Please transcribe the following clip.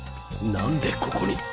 何でここに？